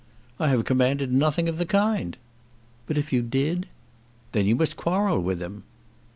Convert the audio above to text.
"I have commanded nothing of the kind." "But if you did?" "Then you must quarrel with him."